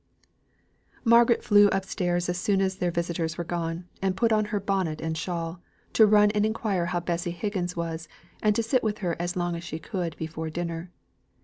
Margaret flew up stairs as soon as their visitors were gone, and put on her bonnet and shawl, to run and inquire how Betsy Higgins was, and sit with her as long as she could before dinner.